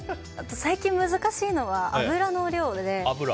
最近難しいのが油の量で。